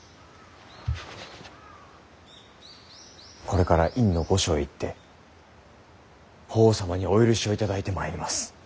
これから院御所へ行って法皇様にお許しを頂いてまいります。